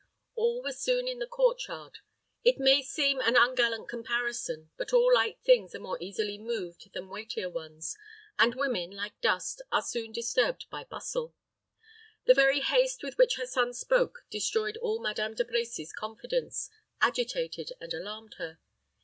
All were soon in the court yard. It may seem an ungallant comparison; but all light things are more easily moved than weightier ones, and women, like dust, are soon disturbed by bustle. The very haste with which her son spoke destroyed all Madame De Brecy's confidence, agitated and alarmed her.